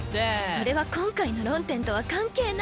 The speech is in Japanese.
それは今回の論点とは関係ない。